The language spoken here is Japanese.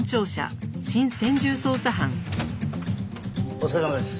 お疲れさまです。